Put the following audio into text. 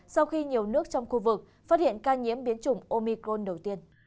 sau khi nhiều nước trong khu vực phát hiện ca nhiễm biến chủng omicron đầu tiên